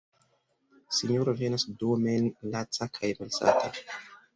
Sinjoro venas domen laca kaj malsata.